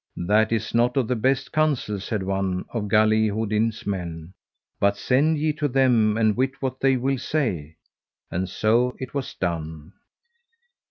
That is not of the best counsel, said one of Galihodin's men, but send ye to them and wit what they will say; and so it was done.